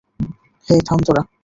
হেই, থাম তোরা!